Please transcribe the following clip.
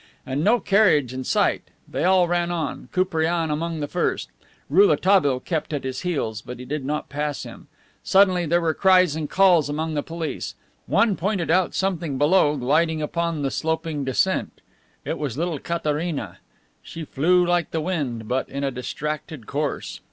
And no carriage in sight! They all ran on, Koupriane among the first. Rouletabille kept at his heels, but he did not pass him. Suddenly there were cries and calls among the police. One pointed out something below gliding upon the sloping descent. It was little Katharina. She flew like the wind, but in a distracted course.